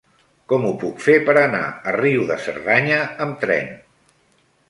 Com ho puc fer per anar a Riu de Cerdanya amb tren?